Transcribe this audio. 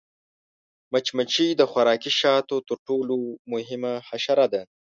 مچمچۍ د خوراکي شاتو تر ټولو مهمه حشره ده